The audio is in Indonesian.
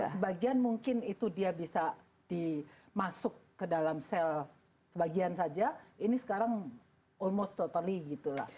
sebagian mungkin itu dia bisa dimasuk ke dalam sel sebagian saja ini sekarang ulmost totally gitu lah